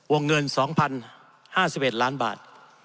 วงเงิน๒๐๕๑ล้านบาท